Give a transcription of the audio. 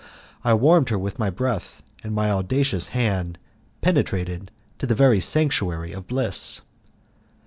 I warmed her with my breath, and my audacious hand penetrated to the very sanctuary of bliss.